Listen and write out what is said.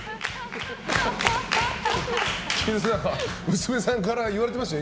娘さんから言われてましたよ。